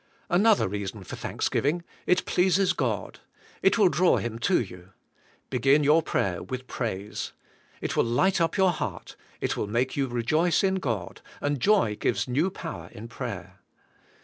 Another reason for thanksgiv ing : It pleases God. It will draw Him to you. Be gin your prayer with praise. It will light up your heart. It will make you rejoice in God, and joy gives new power in prayer.